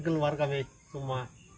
keluar kami semua